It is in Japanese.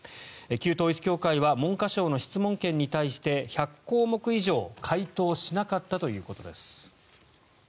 旧統一教会は文科省の質問権に対して１００項目以上回答しなかったということです。